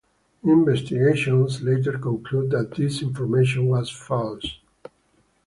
Investigations later concluded that this information was false.